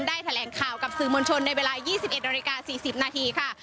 แถลงข่าวกับสื่อมวลชนในเวลา๒๑นาฬิกา๔๐นาทีค่ะ